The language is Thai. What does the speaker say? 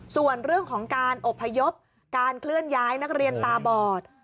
ส่วนเรื่องของการอบพยพการเคลื่อนย้ายนักเรียนตาบอด